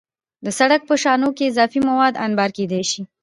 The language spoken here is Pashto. د سړک په شانو کې اضافي مواد انبار کېدای شي